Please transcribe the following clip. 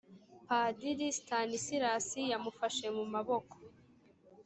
padiri stanislas yamufashe mu maboko